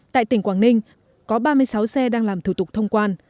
tại tỉnh quảng ninh có ba mươi sáu xe đang làm thủ tục thông quan